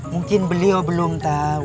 mungkin beliau belum tahu